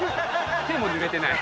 手もぬれてない。